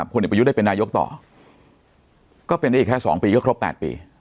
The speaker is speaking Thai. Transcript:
คนเอกประยุทธได้เป็นนายกต่อก็เป็นเอกแค่สองปีก็ครบแปดปี